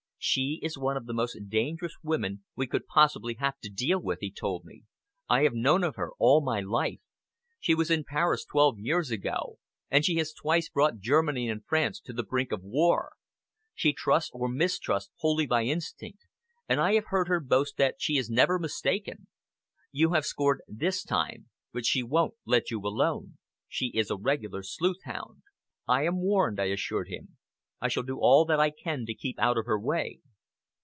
"She is one of the most dangerous women we could possibly have to deal with," he told me. "I have known of her all my life. She was in Paris twelve years ago, and she has twice brought Germany and France to the brink of war. She trusts or mistrusts wholly by instinct, and I have heard her boast that she is never mistaken. You have scored this time; but she won't let you alone. She is a regular sleuth hound." "I am warned," I assured him. "I shall do all that I can to keep out of her way."